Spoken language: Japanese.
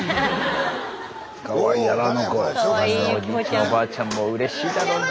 おばあちゃんもうれしいだろうな。